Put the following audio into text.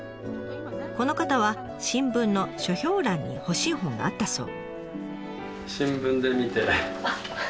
この方は新聞の書評欄に欲しい本があったそう。